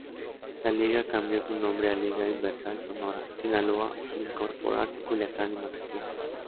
La Liga cambió de nombre a Liga Invernal Sonora-Sinaloa al incorporarse Culiacán y Mazatlán.